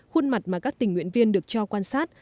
khuôn mặt mà các tình nguyện viên được cho quan sát